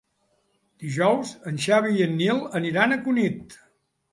Dijous en Xavi i en Nil aniran a Cunit.